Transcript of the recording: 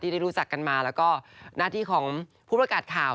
ได้รู้จักกันมาแล้วก็หน้าที่ของผู้ประกาศข่าว